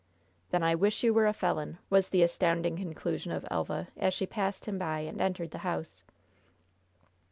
"Then I wish you were a felon!" was the astounding conclusion of Elva, as she passed him by and entered the house.